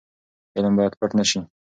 علم باید پټ نه سي.